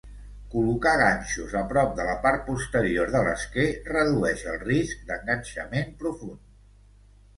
Col·locar ganxos a prop de la part posterior de l'esquer redueix el risc d'enganxament profund.